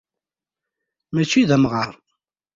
Mačči d amɣaṛ.